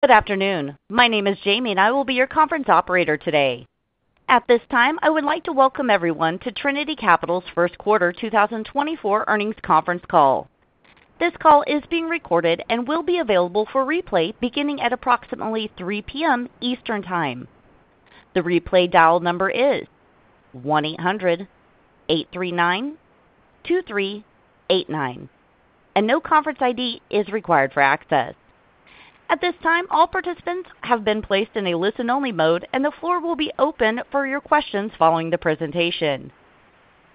Good afternoon. My name is Jamie, and I will be your conference operator today. At this time, I would like to welcome everyone to Trinity Capital's first quarter 2024 earnings conference call. This call is being recorded and will be available for replay beginning at approximately 3:00 P.M. Eastern Time. The replay dial number is 1-800-839-2389, and no conference ID is required for access. At this time, all participants have been placed in a listen-only mode, and the floor will be open for your questions following the presentation.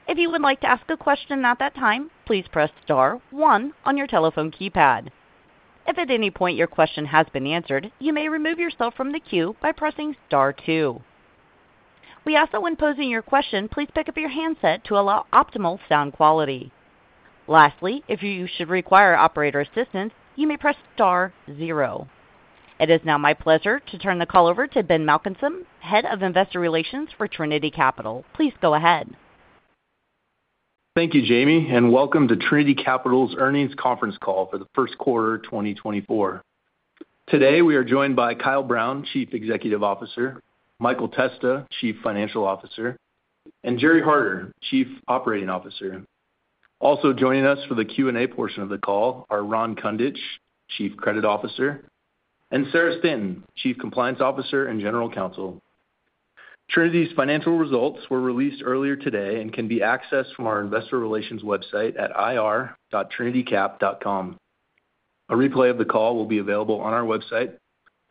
If you would like to ask a question at that time, please press star 1 on your telephone keypad. If at any point your question has been answered, you may remove yourself from the queue by pressing star 2. We ask that when posing your question, please pick up your handset to allow optimal sound quality. Lastly, if you should require operator assistance, you may press star 0. It is now my pleasure to turn the call over to Ben Malcolmson, head of investor relations for Trinity Capital. Please go ahead. Thank you, Jamie, and welcome to Trinity Capital's earnings conference call for the first quarter 2024. Today, we are joined by Kyle Brown, Chief Executive Officer; Michael Testa, Chief Financial Officer; and Gerry Harder, Chief Operating Officer. Also joining us for the Q&A portion of the call are Ron Kundich, Chief Credit Officer; and Sarah Stanton, Chief Compliance Officer and General Counsel. Trinity's financial results were released earlier today and can be accessed from our investor relations website at ir.trinitycap.com. A replay of the call will be available on our website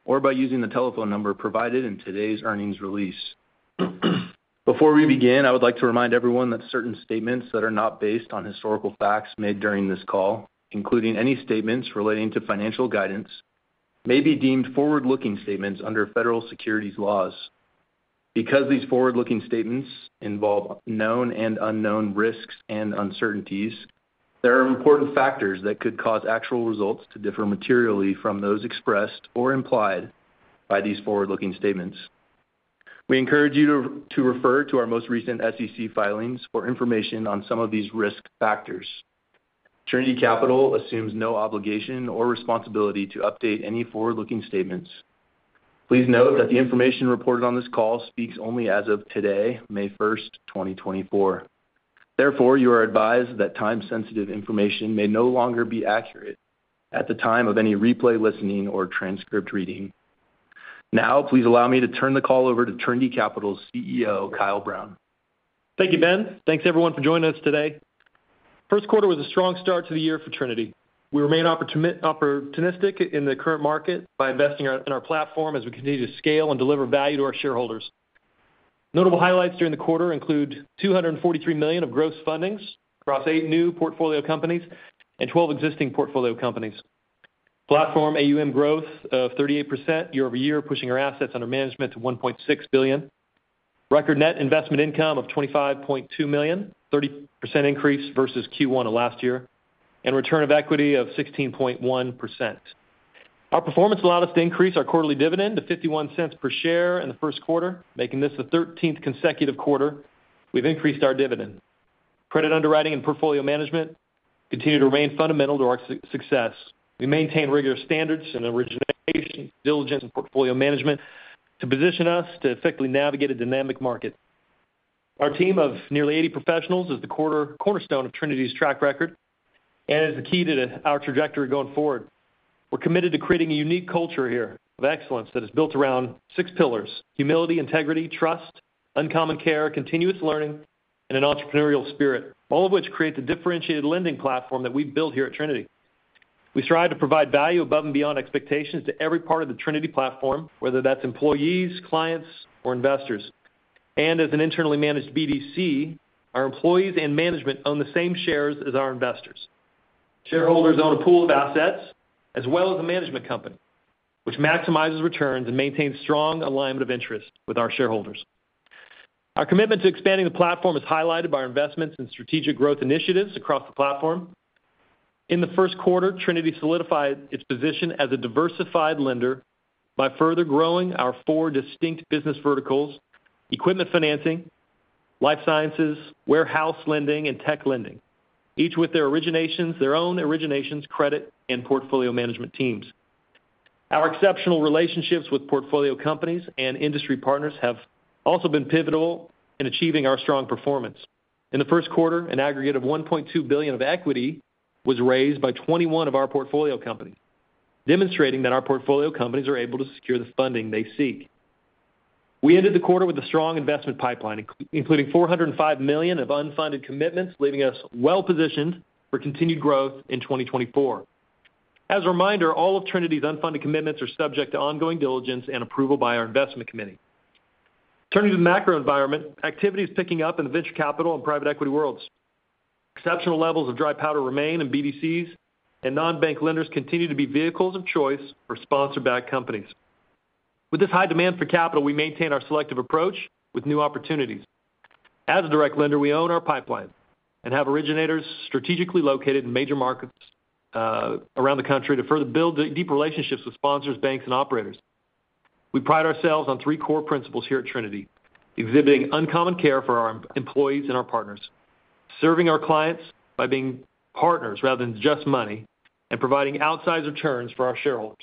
or by using the telephone number provided in today's earnings release. Before we begin, I would like to remind everyone that certain statements that are not based on historical facts made during this call, including any statements relating to financial guidance, may be deemed forward-looking statements under federal securities laws. Because these forward-looking statements involve known and unknown risks and uncertainties, there are important factors that could cause actual results to differ materially from those expressed or implied by these forward-looking statements. We encourage you to refer to our most recent SEC filings for information on some of these risk factors. Trinity Capital assumes no obligation or responsibility to update any forward-looking statements. Please note that the information reported on this call speaks only as of today, May 1st, 2024. Therefore, you are advised that time-sensitive information may no longer be accurate at the time of any replay listening or transcript reading. Now, please allow me to turn the call over to Trinity Capital's CEO, Kyle Brown. Thank you, Ben. Thanks, everyone, for joining us today. First quarter was a strong start to the year for Trinity. We remained opportunistic in the current market by investing in our platform as we continue to scale and deliver value to our shareholders. Notable highlights during the quarter include $243 million of gross fundings across eight new portfolio companies and 12 existing portfolio companies. Platform AUM growth of 38% year-over-year, pushing our assets under management to $1.6 billion. Record net investment income of $25.2 million, 30% increase versus Q1 of last year, and return on equity of 16.1%. Our performance allowed us to increase our quarterly dividend to $0.51 per share in the first quarter, making this the 13th consecutive quarter we've increased our dividend. Credit underwriting and portfolio management continue to remain fundamental to our success. We maintain regular standards and origination diligence in portfolio management to position us to effectively navigate a dynamic market. Our team of nearly 80 professionals is the quarter cornerstone of Trinity's track record and is the key to our trajectory going forward. We're committed to creating a unique culture here of excellence that is built around six pillars: humility, integrity, trust, uncommon care, continuous learning, and an entrepreneurial spirit, all of which create the differentiated lending platform that we've built here at Trinity. We strive to provide value above and beyond expectations to every part of the Trinity platform, whether that's employees, clients, or investors. And as an internally managed BDC, our employees and management own the same shares as our investors. Shareholders own a pool of assets as well as a management company, which maximizes returns and maintains strong alignment of interest with our shareholders. Our commitment to expanding the platform is highlighted by our investments in strategic growth initiatives across the platform. In the first quarter, Trinity solidified its position as a diversified lender by further growing our four distinct business verticals: equipment financing, life sciences, warehouse lending, and tech lending, each with their own originations credit and portfolio management teams. Our exceptional relationships with portfolio companies and industry partners have also been pivotal in achieving our strong performance. In the first quarter, an aggregate of $1.2 billion of equity was raised by 21 of our portfolio companies, demonstrating that our portfolio companies are able to secure the funding they seek. We ended the quarter with a strong investment pipeline, including $405 million of unfunded commitments, leaving us well-positioned for continued growth in 2024. As a reminder, all of Trinity's unfunded commitments are subject to ongoing diligence and approval by our investment committee. Turning to the macro environment, activity is picking up in the venture capital and private equity worlds. Exceptional levels of dry powder remain in BDCs, and non-bank lenders continue to be vehicles of choice for sponsor-backed companies. With this high demand for capital, we maintain our selective approach with new opportunities. As a direct lender, we own our pipeline and have originators strategically located in major markets around the country to further build deep relationships with sponsors, banks, and operators. We pride ourselves on three core principles here at Trinity: exhibiting uncommon care for our employees and our partners; serving our clients by being partners rather than just money; and providing outsized returns for our shareholders.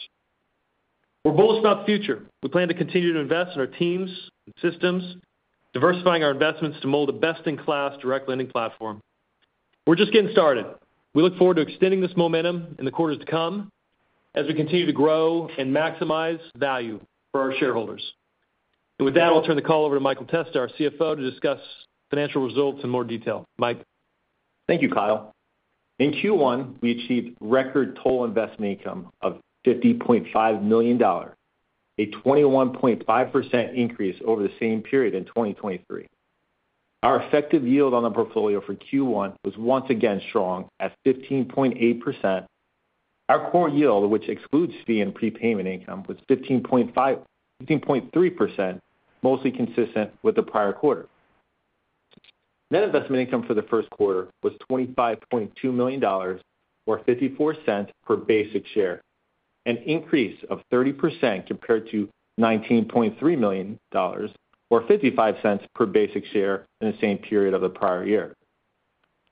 We're bullish about the future. We plan to continue to invest in our teams and systems, diversifying our investments to mold a best-in-class direct lending platform. We're just getting started. We look forward to extending this momentum in the quarters to come as we continue to grow and maximize value for our shareholders. With that, I'll turn the call over to Michael Testa, our CFO, to discuss financial results in more detail. Mike. Thank you, Kyle. In Q1, we achieved record total investment income of $50.5 million, a 21.5% increase over the same period in 2023. Our effective yield on the portfolio for Q1 was once again strong at 15.8%. Our core yield, which excludes fee and prepayment income, was 15.3%, mostly consistent with the prior quarter. Net investment income for the first quarter was $25.2 million or $0.54 per basic share, an increase of 30% compared to $19.3 million or $0.55 per basic share in the same period of the prior year.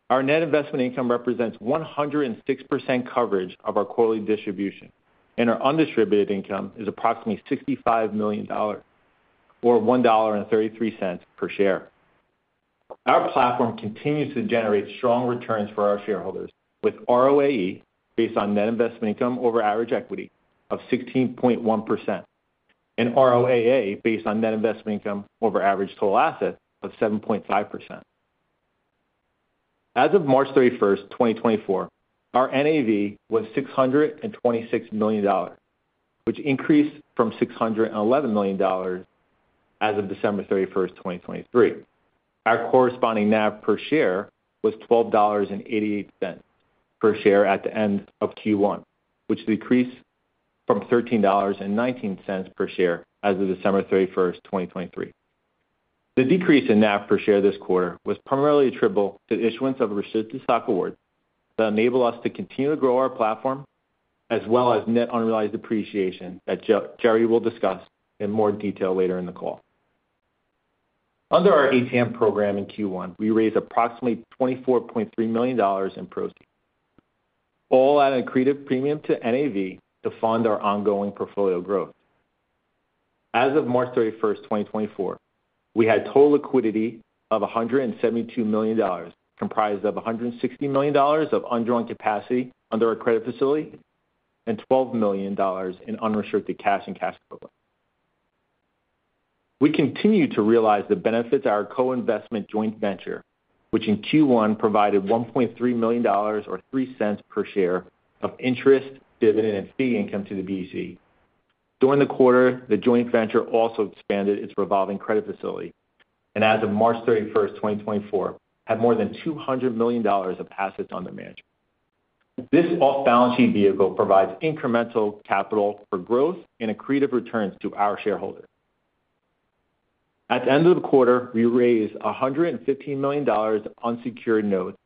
Our net investment income represents 106% coverage of our quarterly distribution, and our undistributed income is approximately $65 million or $1.33 per share. Our platform continues to generate strong returns for our shareholders, with ROAE based on net investment income over average equity of 16.1% and ROAA based on net investment income over average total assets of 7.5%. As of March 31st, 2024, our NAV was $626 million, which increased from $611 million as of December 31st, 2023. Our corresponding NAV per share was $12.88 per share at the end of Q1, which decreased from $13.19 per share as of December 31st, 2023. The decrease in NAV per share this quarter was primarily attributable to the issuance of a restricted stock award that enabled us to continue to grow our platform, as well as net unrealized appreciation that Gerry will discuss in more detail later in the call. Under our ATM program in Q1, we raised approximately $24.3 million in proceeds, all adding an accretive premium to NAV to fund our ongoing portfolio growth. As of March 31st, 2024, we had total liquidity of $172 million, comprised of $160 million of undrawn capacity under our credit facility and $12 million in unrestricted cash and cash equivalents. We continue to realize the benefits of our co-investment joint venture, which in Q1 provided $1.3 million or $0.03 per share of interest, dividend, and fee income to the BDC. During the quarter, the joint venture also expanded its revolving credit facility and, as of March 31st, 2024, had more than $200 million of assets under management. This off-balance sheet vehicle provides incremental capital for growth and accretive returns to our shareholders. At the end of the quarter, we raised $115 million on secured notes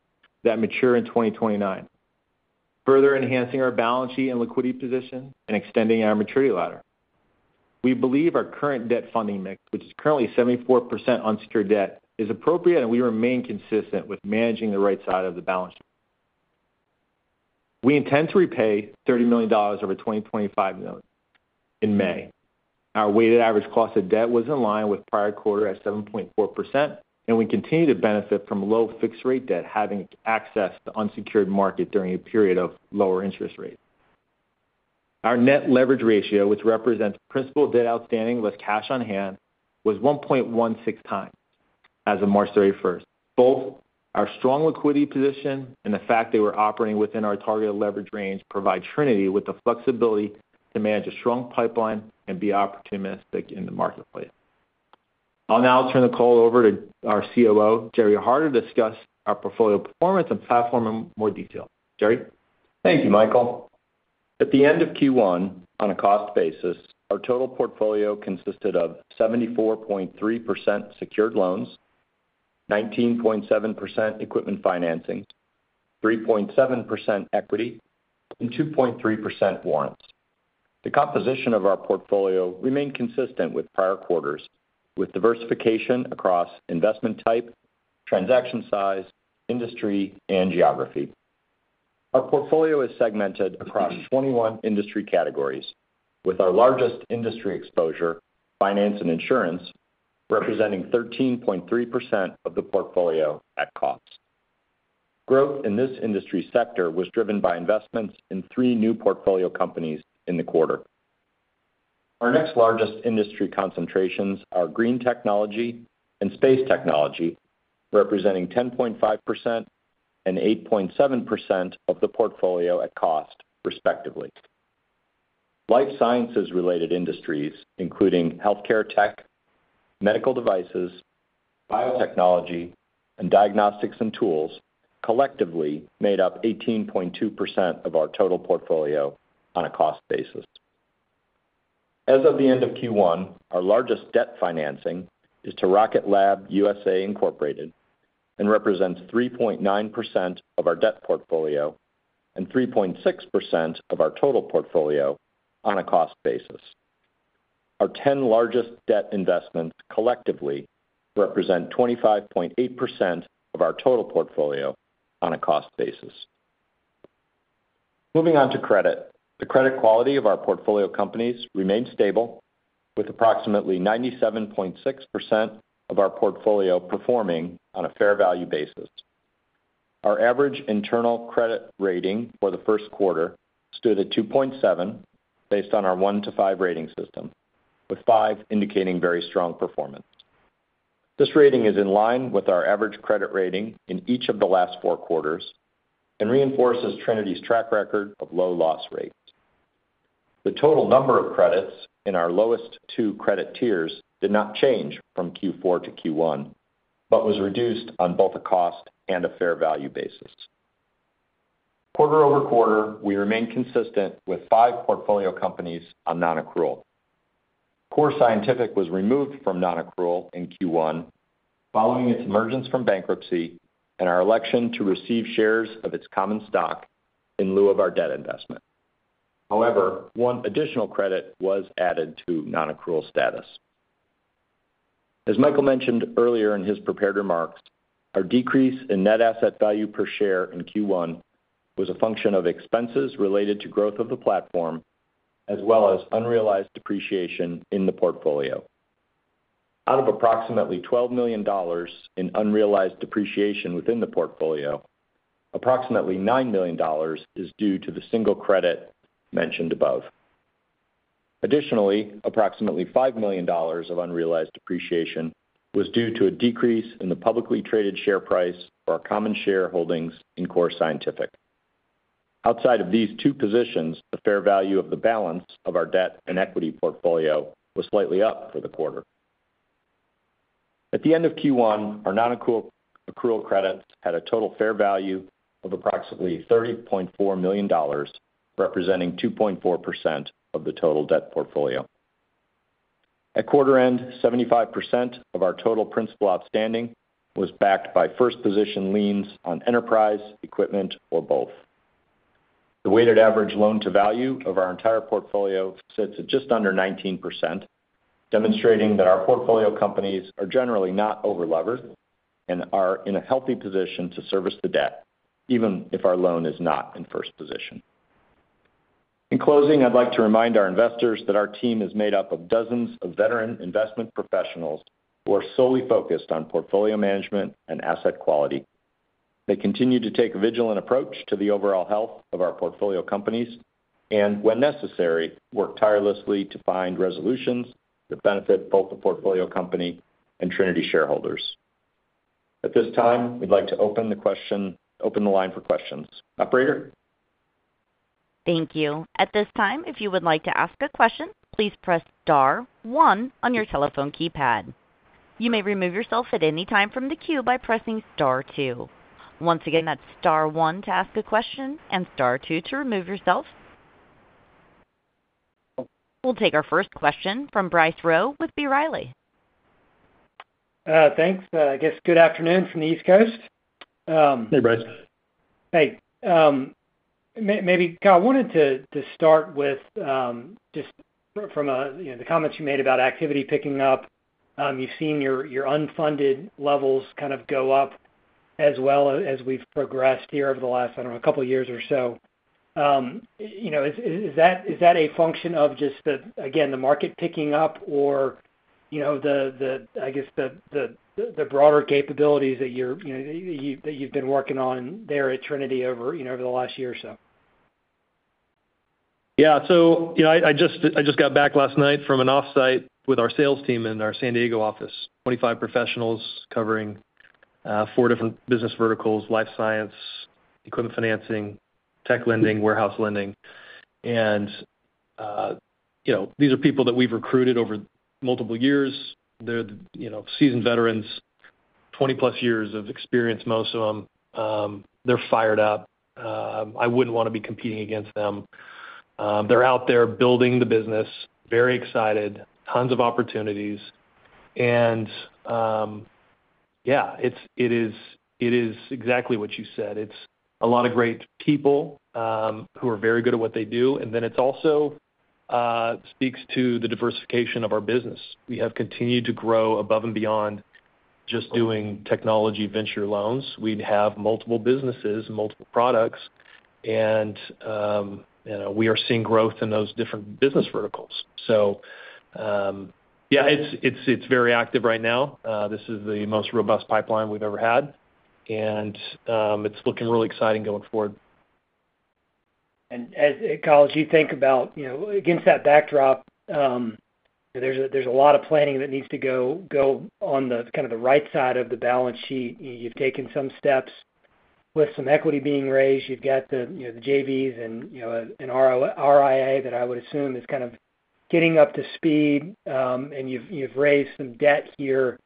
that mature in 2029, further enhancing our balance sheet and liquidity positions and extending our maturity ladder. We believe our current debt funding mix, which is currently 74% unsecured debt, is appropriate, and we remain consistent with managing the right side of the balance sheet. We intend to repay $30 million over 2025 notes in May. Our weighted average cost of debt was in line with prior quarter at 7.4%, and we continue to benefit from low fixed-rate debt, having access to unsecured markets during a period of lower interest rates. Our net leverage ratio, which represents principal debt outstanding less cash on hand, was 1.16 times as of March 31st. Both our strong liquidity position and the fact they were operating within our targeted leverage range provide Trinity with the flexibility to manage a strong pipeline and be opportunistic in the marketplace. I'll now turn the call over to our COO, Gerry Harder, to discuss our portfolio performance and platform in more detail. Gerry. Thank you, Michael. At the end of Q1, on a cost basis, our total portfolio consisted of 74.3% secured loans, 19.7% equipment financing, 3.7% equity, and 2.3% warrants. The composition of our portfolio remained consistent with prior quarters, with diversification across investment type, transaction size, industry, and geography. Our portfolio is segmented across 21 industry categories, with our largest industry exposure, finance and insurance, representing 13.3% of the portfolio at cost. Growth in this industry sector was driven by investments in three new portfolio companies in the quarter. Our next largest industry concentrations are green technology and space technology, representing 10.5% and 8.7% of the portfolio at cost, respectively. Life sciences-related industries, including healthcare tech, medical devices, biotechnology, and diagnostics and tools, collectively made up 18.2% of our total portfolio on a cost basis. As of the end of Q1, our largest debt financing is to Rocket Lab USA, Inc., and represents 3.9% of our debt portfolio and 3.6% of our total portfolio on a cost basis. Our 10 largest debt investments collectively represent 25.8% of our total portfolio on a cost basis. Moving on to credit, the credit quality of our portfolio companies remained stable, with approximately 97.6% of our portfolio performing on a fair value basis. Our average internal credit rating for the first quarter stood at 2.7 based on our 1 to 5 rating system, with 5 indicating very strong performance. This rating is in line with our average credit rating in each of the last four quarters and reinforces Trinity's track record of low loss rates. The total number of credits in our lowest two credit tiers did not change from Q4 to Q1 but was reduced on both a cost and a fair value basis. Quarter over quarter, we remained consistent with five portfolio companies on non-accrual. Core Scientific was removed from non-accrual in Q1 following its emergence from bankruptcy and our election to receive shares of its common stock in lieu of our debt investment. However, one additional credit was added to non-accrual status. As Michael mentioned earlier in his prepared remarks, our decrease in net asset value per share in Q1 was a function of expenses related to growth of the platform as well as unrealized depreciation in the portfolio. Out of approximately $12 million in unrealized depreciation within the portfolio, approximately $9 million is due to the single credit mentioned above. Additionally, approximately $5 million of unrealized depreciation was due to a decrease in the publicly traded share price for our common share holdings in Core Scientific. Outside of these two positions, the fair value of the balance of our debt and equity portfolio was slightly up for the quarter. At the end of Q1, our non-accrual credits had a total fair value of approximately $30.4 million, representing 2.4% of the total debt portfolio. At quarter end, 75% of our total principal outstanding was backed by first position liens on enterprise, equipment, or both. The weighted average loan to value of our entire portfolio sits at just under 19%, demonstrating that our portfolio companies are generally not over-levered and are in a healthy position to service the debt, even if our loan is not in first position. In closing, I'd like to remind our investors that our team is made up of dozens of veteran investment professionals who are solely focused on portfolio management and asset quality. They continue to take a vigilant approach to the overall health of our portfolio companies and, when necessary, work tirelessly to find resolutions that benefit both the portfolio company and Trinity shareholders. At this time, we'd like to open the line for questions. Operator. Thank you. At this time, if you would like to ask a question, please press star one on your telephone keypad. You may remove yourself at any time from the queue by pressing star two. Once again, that's star one to ask a question and star two to remove yourself. We'll take our first question from Bryce Rowe with B. Riley. Thanks. I guess, good afternoon from the East Coast. Hey, Bryce. Hey. Maybe, Kyle, I wanted to start with just from the comments you made about activity picking up. You've seen your unfunded levels kind of go up as well as we've progressed here over the last, I don't know, a couple of years or so. Is that a function of just, again, the market picking up or, I guess, the broader capabilities that you've been working on there at Trinity over the last year or so? Yeah. So I just got back last night from an offsite with our sales team in our San Diego office, 25 professionals covering 4 different business verticals: life science, equipment financing, tech lending, warehouse lending. And these are people that we've recruited over multiple years. They're seasoned veterans, 20+ years of experience, most of them. They're fired up. I wouldn't want to be competing against them. They're out there building the business, very excited, tons of opportunities. And yeah, it is exactly what you said. It's a lot of great people who are very good at what they do. And then it also speaks to the diversification of our business. We have continued to grow above and beyond just doing technology venture loans. We have multiple businesses, multiple products, and we are seeing growth in those different business verticals. So yeah, it's very active right now. This is the most robust pipeline we've ever had, and it's looking really exciting going forward. Kyle, as you think about, against that backdrop, there's a lot of planning that needs to go on kind of the right side of the balance sheet. You've taken some steps with some equity being raised. You've got the JVs and RIA that I would assume is kind of getting up to speed, and you've raised some debt here.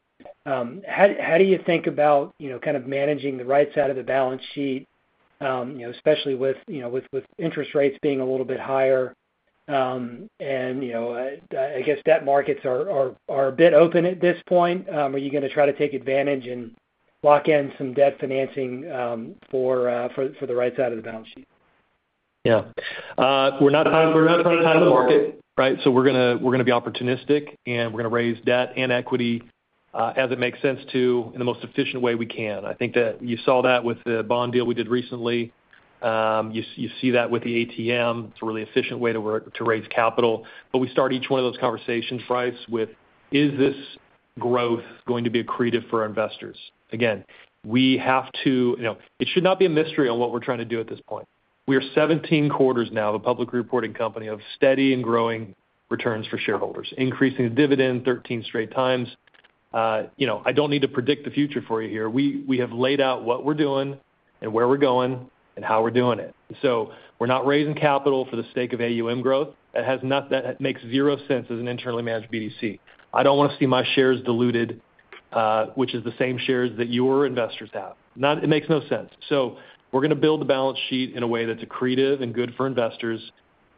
How do you think about kind of managing the right side of the balance sheet, especially with interest rates being a little bit higher? I guess debt markets are a bit open at this point. Are you going to try to take advantage and lock in some debt financing for the right side of the balance sheet? Yeah. We're not trying to time the market, right? So we're going to be opportunistic, and we're going to raise debt and equity as it makes sense to in the most efficient way we can. I think that you saw that with the bond deal we did recently. You see that with the ATM. It's a really efficient way to raise capital. But we start each one of those conversations, Bryce, with, "Is this growth going to be accretive for our investors?" Again, we have to. It should not be a mystery on what we're trying to do at this point. We are 17 quarters now of a publicly reporting company of steady and growing returns for shareholders, increasing the dividend 13 straight times. I don't need to predict the future for you here. We have laid out what we're doing and where we're going and how we're doing it. So we're not raising capital for the sake of AUM growth. That makes zero sense as an internally managed BDC. I don't want to see my shares diluted, which is the same shares that your investors have. It makes no sense. So we're going to build the balance sheet in a way that's accretive and good for investors.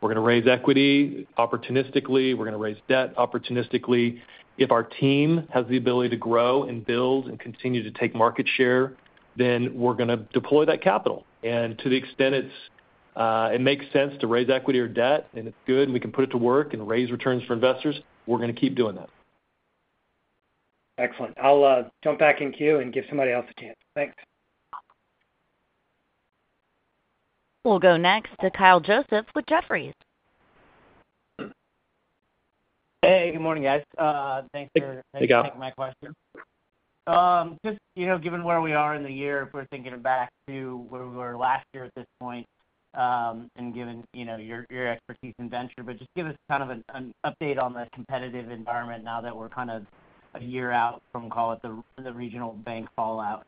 We're going to raise equity opportunistically. We're going to raise debt opportunistically. If our team has the ability to grow and build and continue to take market share, then we're going to deploy that capital. And to the extent it makes sense to raise equity or debt, and it's good, and we can put it to work and raise returns for investors, we're going to keep doing that. Excellent. I'll jump back in queue and give somebody else a chance. Thanks. We'll go next to Kyle Joseph with Jefferies. Hey. Good morning, guys. Thanks for taking my question. Just given where we are in the year, if we're thinking back to where we were last year at this point and given your expertise in venture, but just give us kind of an update on the competitive environment now that we're kind of a year out from, call it, the regional bank fallout.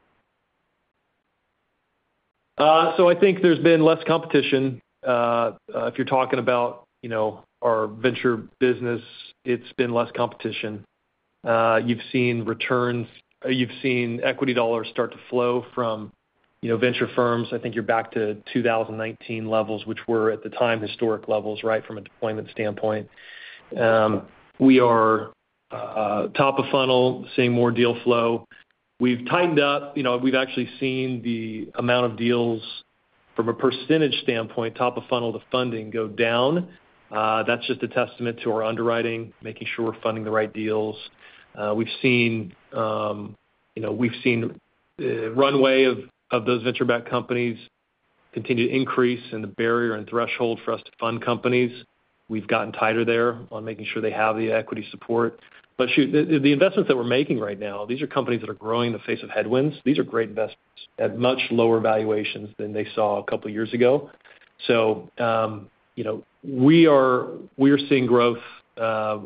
So I think there's been less competition. If you're talking about our venture business, it's been less competition. You've seen returns, you've seen equity dollars start to flow from venture firms. I think you're back to 2019 levels, which were at the time historic levels, right, from a deployment standpoint. We are top of funnel, seeing more deal flow. We've tightened up. We've actually seen the amount of deals from a percentage standpoint, top of funnel to funding, go down. That's just a testament to our underwriting, making sure we're funding the right deals. We've seen runway of those venture-backed companies continue to increase and the barrier and threshold for us to fund companies. We've gotten tighter there on making sure they have the equity support. But shoot, the investments that we're making right now, these are companies that are growing in the face of headwinds. These are great investments at much lower valuations than they saw a couple of years ago. So we are seeing growth.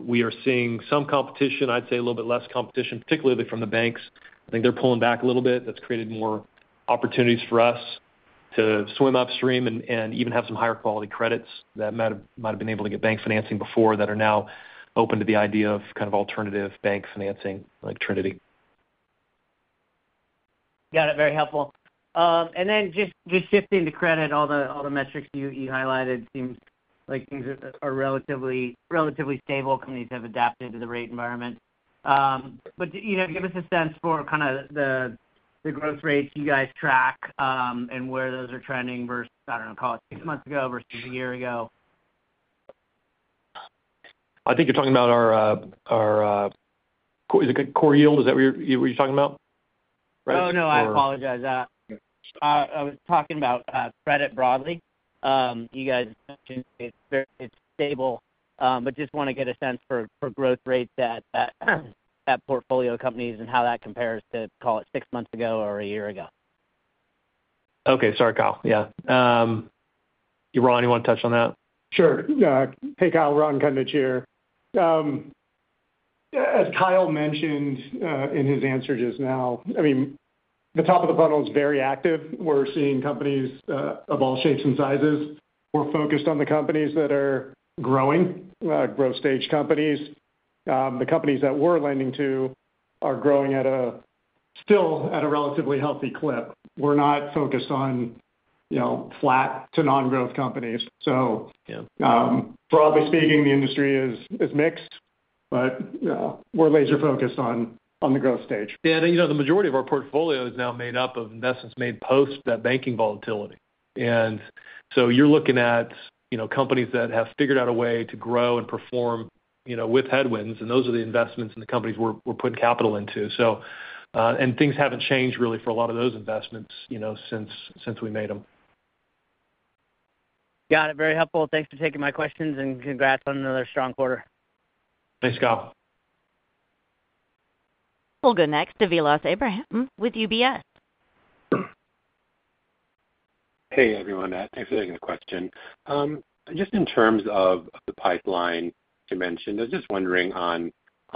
We are seeing some competition, I'd say a little bit less competition, particularly from the banks. I think they're pulling back a little bit. That's created more opportunities for us to swim upstream and even have some higher-quality credits that might have been able to get bank financing before that are now open to the idea of kind of alternative bank financing like Trinity. Got it. Very helpful. And then just shifting to credit, all the metrics you highlighted seem like things are relatively stable. Companies have adapted to the rate environment. But give us a sense for kind of the growth rates you guys track and where those are trending versus, I don't know, call it six months ago versus a year ago. I think you're talking about our—is it Core Yield? Is that what you're talking about, Bryce? Oh, no. I apologize. I was talking about credit broadly. You guys mentioned it's stable, but just want to get a sense for growth rates at portfolio companies and how that compares to, call it, six months ago or a year ago. Okay. Sorry, Kyle. Yeah. Ron, you want to touch on that? Sure. Hey, Kyle. Ron Kundich here. As Kyle mentioned in his answer just now, I mean, the top of the funnel is very active. We're seeing companies of all shapes and sizes. We're focused on the companies that are growing, growth-stage companies. The companies that we're lending to are growing still at a relatively healthy clip. We're not focused on flat to non-growth companies. So broadly speaking, the industry is mixed, but we're laser-focused on the growth stage. Yeah. And the majority of our portfolio is now made up of investments made post that banking volatility. And so you're looking at companies that have figured out a way to grow and perform with headwinds, and those are the investments and the companies we're putting capital into. And things haven't changed really for a lot of those investments since we made them. Got it. Very helpful. Thanks for taking my questions, and congrats on another strong quarter. Thanks, Kyle. We'll go next to Vilas Abraham with UBS. Hey, everyone. Thanks for taking the question. Just in terms of the pipeline you mentioned, I was just wondering on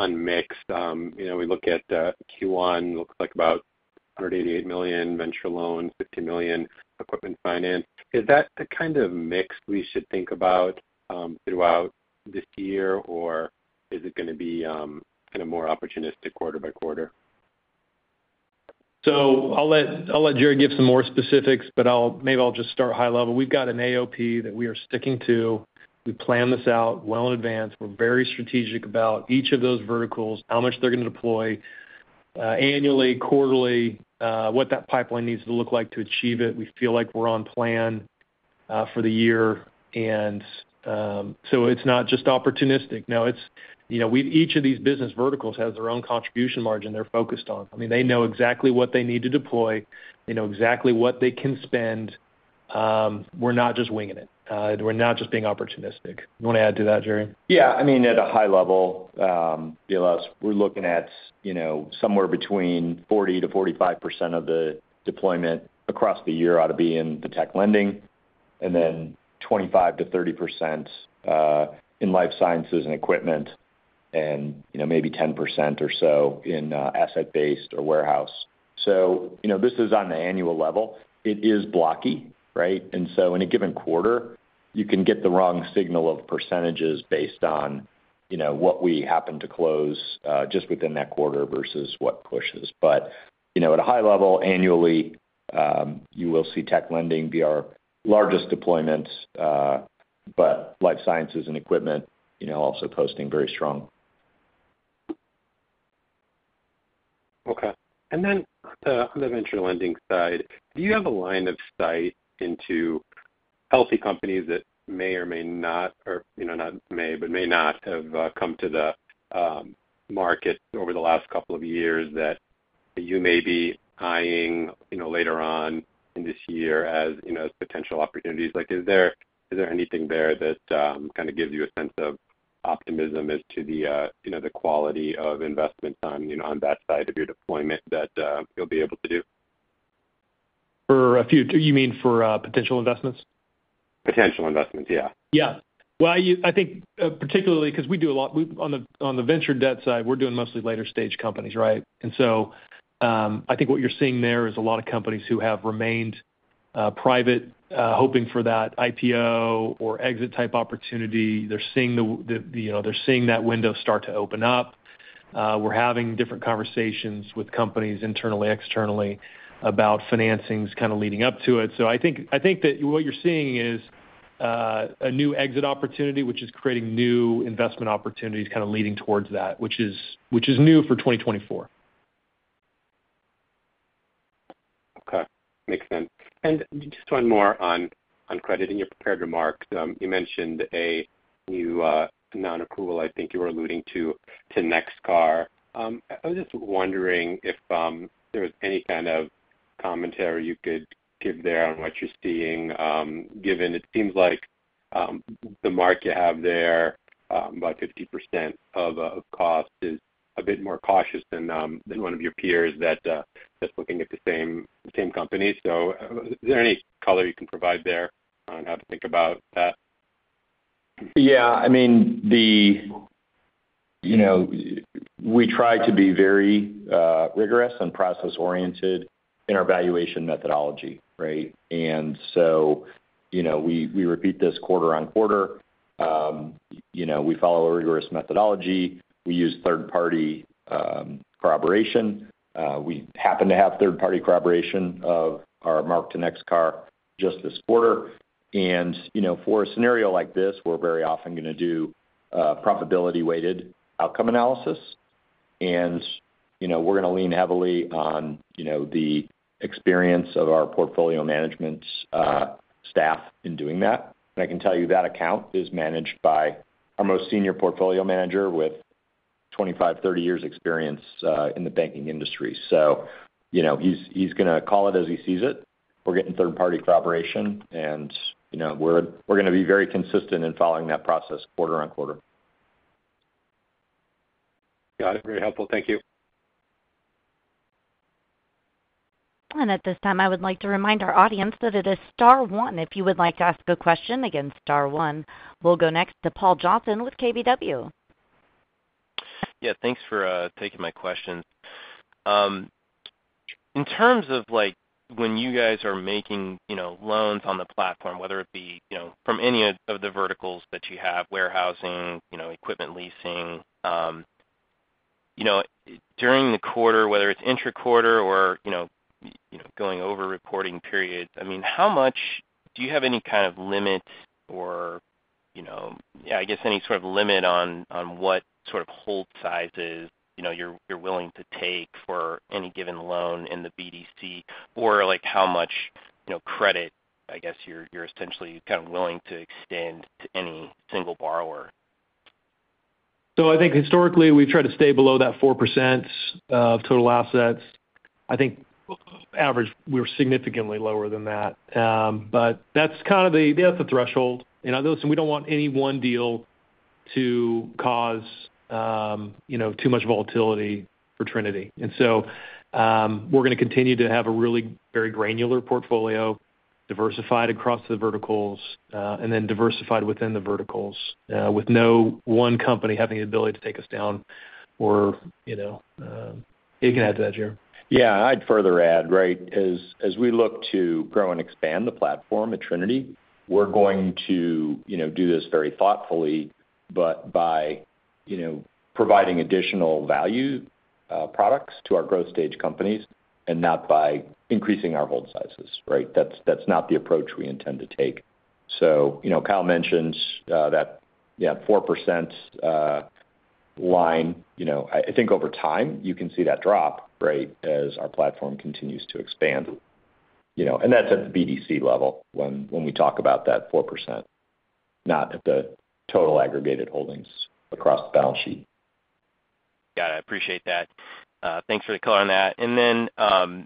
mix. We look at Q1, looks like about $188 million venture loans, $50 million equipment finance. Is that the kind of mix we should think about throughout this year, or is it going to be kind of more opportunistic quarter by quarter? I'll let Gerry give some more specifics, but maybe I'll just start high level. We've got an AOP that we are sticking to. We plan this out well in advance. We're very strategic about each of those verticals, how much they're going to deploy annually, quarterly, what that pipeline needs to look like to achieve it. We feel like we're on plan for the year. So it's not just opportunistic. No. Each of these business verticals has their own contribution margin they're focused on. I mean, they know exactly what they need to deploy. They know exactly what they can spend. We're not just winging it. We're not just being opportunistic. You want to add to that, Gerry? Yeah. I mean, at a high level, Vilas, we're looking at somewhere between 40%-45% of the deployment across the year ought to be in the tech lending and then 25%-30% in life sciences and equipment and maybe 10% or so in asset-based or warehouse. So this is on the annual level. It is lumpy, right? And so in a given quarter, you can get the wrong signal of percentages based on what we happen to close just within that quarter versus what pushes. But at a high level, annually, you will see tech lending be our largest deployment, but life sciences and equipment also posting very strong. \ Okay. And then on the venture lending side, do you have a line of sight into healthy companies that may or may not or not may, but may not have come to the market over the last couple of years that you may be eyeing later on in this year as potential opportunities? Is there anything there that kind of gives you a sense of optimism as to the quality of investments on that side of your deployment that you'll be able to do? For a few? You mean for potential investments? Potential investments. Yeah. Yeah. Well, I think particularly because we do a lot on the venture debt side, we're doing mostly later-stage companies, right? And so I think what you're seeing there is a lot of companies who have remained private hoping for that IPO or exit-type opportunity. They're seeing that window start to open up. We're having different conversations with companies internally, externally about financings kind of leading up to it. So I think that what you're seeing is a new exit opportunity, which is creating new investment opportunities kind of leading towards that, which is new for 2024. Okay. Makes sense. And just one more on credit in your prepared remarks. You mentioned a new non-accrual. I think you were alluding to NextCar. I was just wondering if there was any kind of commentary you could give there on what you're seeing, given it seems like the market you have there, about 50% of cost, is a bit more cautious than one of your peers that's looking at the same company. So is there any color you can provide there on how to think about that? Yeah. I mean, we try to be very rigorous and process-oriented in our valuation methodology, right? And so we repeat this quarter-on-quarter. We follow a rigorous methodology. We use third-party corroboration. We happen to have third-party corroboration of our mark to NextCar just this quarter. And for a scenario like this, we're very often going to do profitability-weighted outcome analysis. We're going to lean heavily on the experience of our portfolio management staff in doing that. And I can tell you that account is managed by our most senior portfolio manager with 25-30 years' experience in the banking industry. So he's going to call it as he sees it. We're getting third-party corroboration, and we're going to be very consistent in following that process quarter on quarter. Got it. Very helpful. Thank you. At this time, I would like to remind our audience that it's star one if you would like to ask a question, press star one. We'll go next to Paul Johnson with KBW. Yeah. Thanks for taking my question. In terms of when you guys are making loans on the platform, whether it be from any of the verticals that you have, warehousing, equipment leasing, during the quarter, whether it's intra-quarter or going over reporting period, I mean, how much do you have any kind of limit or, yeah, I guess any sort of limit on what sort of hold sizes you're willing to take for any given loan in the BDC, or how much credit, I guess, you're essentially kind of willing to extend to any single borrower? So, I think historically, we've tried to stay below that 4% of total assets. I think average, we were significantly lower than that. But that's kind of the threshold. And we don't want any one deal to cause too much volatility for Trinity. And so we're going to continue to have a really very granular portfolio, diversified across the verticals, and then diversified within the verticals with no one company having the ability to take us down or anything. Add to that, Gerry. Yeah. I'd further add, right, as we look to grow and expand the platform at Trinity, we're going to do this very thoughtfully, but by providing additional value products to our growth-stage companies and not by increasing our hold sizes, right? That's not the approach we intend to take. So Kyle mentioned that, yeah, 4% line. I think over time, you can see that drop, right, as our platform continues to expand. And that's at the BDC level when we talk about that 4%, not at the total aggregated holdings across the balance sheet. Got it. I appreciate that. Thanks for the color on that. Then as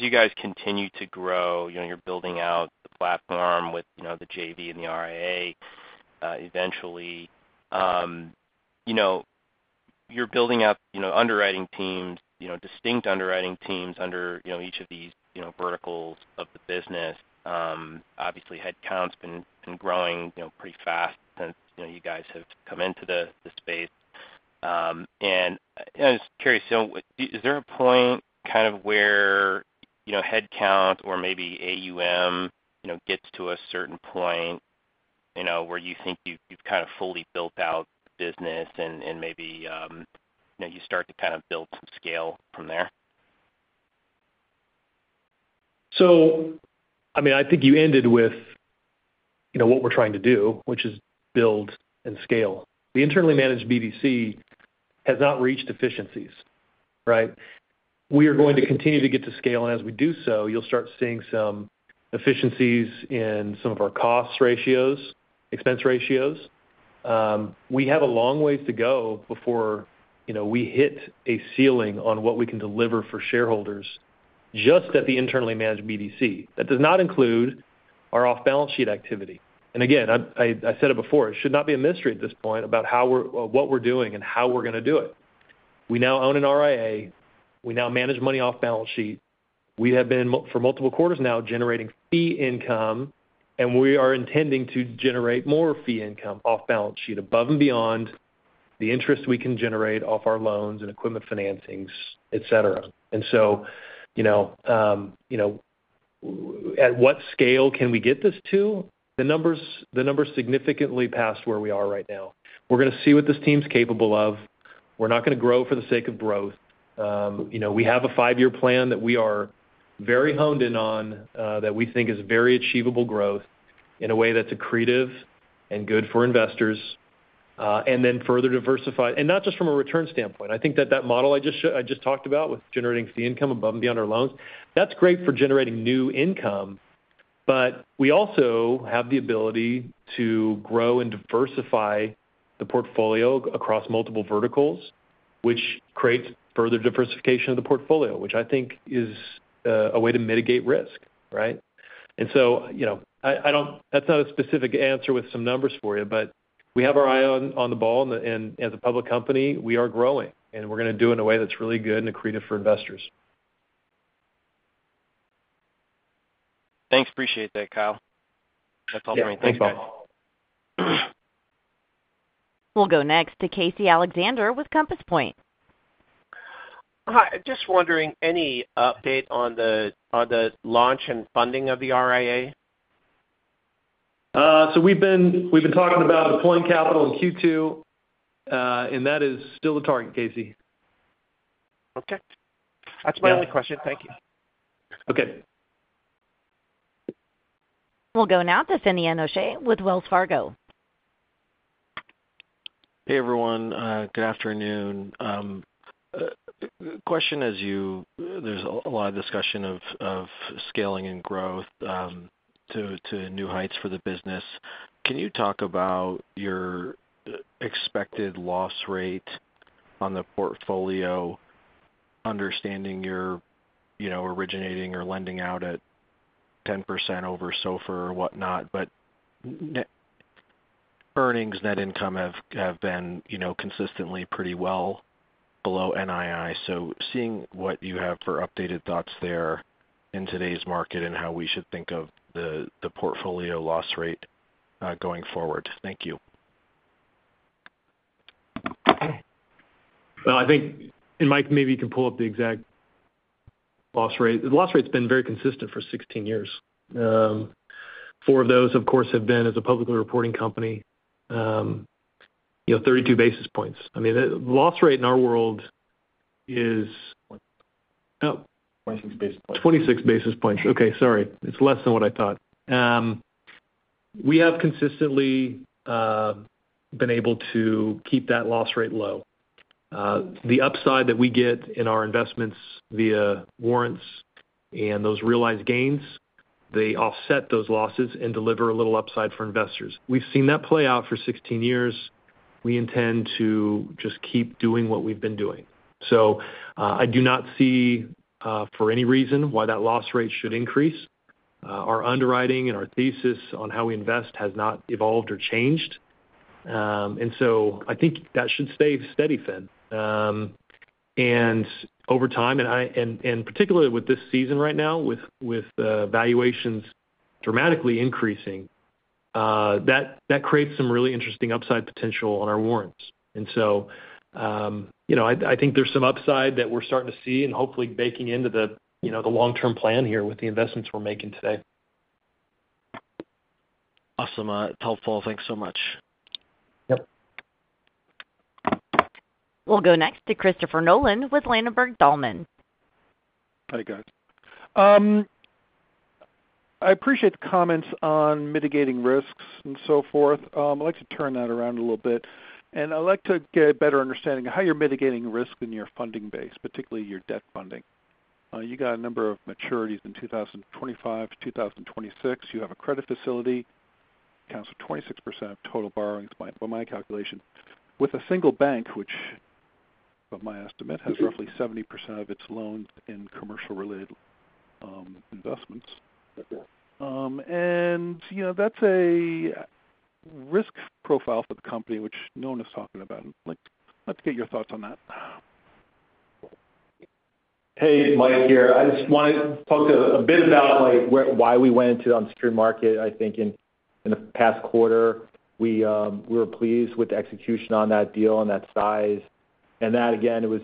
you guys continue to grow, you're building out the platform with the JV and the RIA eventually. You're building up underwriting teams, distinct underwriting teams under each of these verticals of the business. Obviously, headcount's been growing pretty fast since you guys have come into the space. I was curious, is there a point kind of where headcount or maybe AUM gets to a certain point where you think you've kind of fully built out the business and maybe you start to kind of build some scale from there? So I mean, I think you ended with what we're trying to do, which is build and scale. The internally managed BDC has not reached efficiencies, right? We are going to continue to get to scale. And as we do so, you'll start seeing some efficiencies in some of our cost ratios, expense ratios. We have a long ways to go before we hit a ceiling on what we can deliver for shareholders just at the internally managed BDC. That does not include our off-balance sheet activity. And again, I said it before. It should not be a mystery at this point about what we're doing and how we're going to do it. We now own an RIA. We now manage money off-balance sheet. We have been for multiple quarters now generating fee income, and we are intending to generate more fee income off-balance sheet above and beyond the interest we can generate off our loans and equipment financings, etc. And so at what scale can we get this to? The number's significantly past where we are right now. We're going to see what this team's capable of. We're not going to grow for the sake of growth. We have a five-year plan that we are very honed in on that we think is very achievable growth in a way that's accretive and good for investors and then further diversified and not just from a return standpoint. I think that that model I just talked about with generating fee income above and beyond our loans, that's great for generating new income, but we also have the ability to grow and diversify the portfolio across multiple verticals, which creates further diversification of the portfolio, which I think is a way to mitigate risk, right? And so that's not a specific answer with some numbers for you, but we have our eye on the ball. And as a public company, we are growing, and we're going to do it in a way that's really good and accretive for investors. Thanks. Appreciate that, Kyle. That's all for me. Thanks, Paul. We'll go next to Casey Alexander with Compass Point. Hi. Just wondering, any update on the launch and funding of the RIA? We've been talking about deploying capital in Q2, and that is still the target, Casey. Okay. That's my only question. Thank you. Okay. We'll go now to Finian O'Shea with Wells Fargo. Hey, everyone. Good afternoon. Question: there's a lot of discussion of scaling and growth to new heights for the business. Can you talk about your expected loss rate on the portfolio, understanding you're originating or lending out at 10% over SOFR or whatnot, but earnings, net income have been consistently pretty well below NII? So seeing what you have for updated thoughts there in today's market and how we should think of the portfolio loss rate going forward. Thank you. Well, I think, and Mike, maybe you can pull up the exact loss rate. The loss rate's been very consistent for 16 years. Four of those, of course, have been as a publicly reporting company, 32 basis points. I mean, the loss rate in our world is oh, 26 basis points. 26 basis points. Okay. Sorry. It's less than what I thought. We have consistently been able to keep that loss rate low. The upside that we get in our investments via warrants and those realized gains, they offset those losses and deliver a little upside for investors. We've seen that play out for 16 years. We intend to just keep doing what we've been doing. So I do not see for any reason why that loss rate should increase. Our underwriting and our thesis on how we invest has not evolved or changed. And so I think that should stay steady, Finn. And over time, and particularly with this season right now with valuations dramatically increasing, that creates some really interesting upside potential on our warrants. And so I think there's some upside that we're starting to see and hopefully baking into the long-term plan here with the investments we're making today. Awesome. It's helpful. Thanks so much. Yep. We'll go next to Christopher Nolan with Ladenburg Thalmann. Hi, guys. I appreciate the comments on mitigating risks and so forth. I'd like to turn that around a little bit. I'd like to get a better understanding of how you're mitigating risk in your funding base, particularly your debt funding. You got a number of maturities in 2025 to 2026. You have a credit facility accounts for 26% of total borrowings, by my calculation, with a single bank, which, by my estimate, has roughly 70% of its loans in commercial-related investments. That's a risk profile for the company, which Nolan is talking about. I'd like to get your thoughts on that. Hey, Mike here. I just want to talk a bit about why we went into the unsecured market, I think, in the past quarter. We were pleased with the execution on that deal and that size. And that, again, it was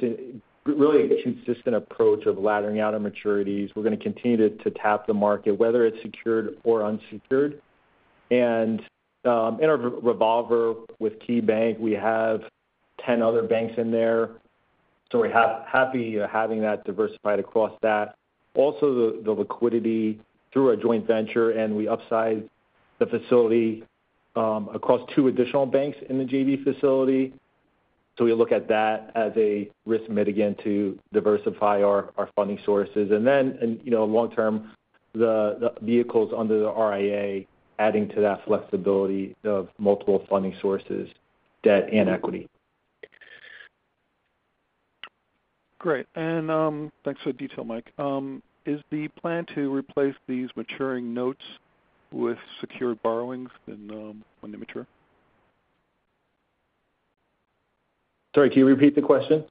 really a consistent approach of laddering out our maturities. We're going to continue to tap the market, whether it's secured or unsecured. And in our revolver with KeyBank, we have 10 other banks in there. So we're happy having that diversified across that. Also, the liquidity through a joint venture, and we upsized the facility across two additional banks in the JV facility. So we look at that as a risk mitigant to diversify our funding sources. And then long-term, the vehicles under the RIA adding to that flexibility of multiple funding sources, debt, and equity. Great. Thanks for the detail, Mike. Is the plan to replace these maturing notes with secured borrowings when they mature? Sorry. Can you repeat the question?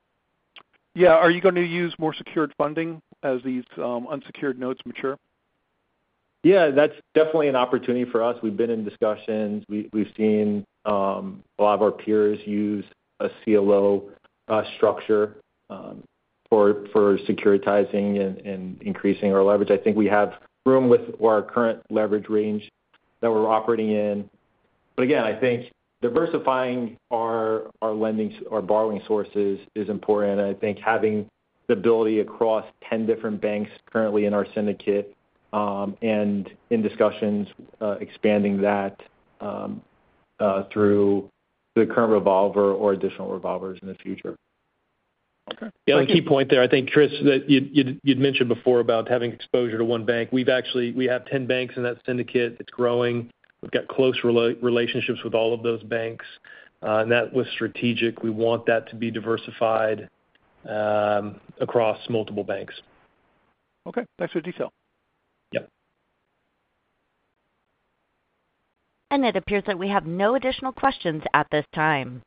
Yeah. Are you going to use more secured funding as these unsecured notes mature? Yeah. That's definitely an opportunity for us. We've been in discussions. We've seen a lot of our peers use a CLO structure for securitizing and increasing our leverage. I think we have room with our current leverage range that we're operating in. But again, I think diversifying our borrowing sources is important. And I think having the ability across 10 different banks currently in our syndicate and in discussions, expanding that through the current revolver or additional revolvers in the future. Yeah. A key point there, I think, Chris, that you'd mentioned before about having exposure to one bank. We have 10 banks in that syndicate. It's growing. We've got close relationships with all of those banks. And that was strategic. We want that to be diversified across multiple banks. Okay. Thanks for the detail. Yep. It appears that we have no additional questions at this time.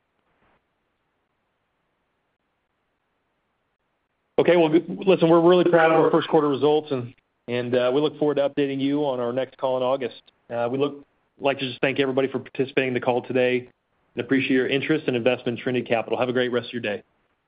Okay. Well, listen, we're really proud of our first-quarter results, and we look forward to updating you on our next call in August. We'd like to just thank everybody for participating in the call today and appreciate your interest and investment in Trinity Capital. Have a great rest of your day.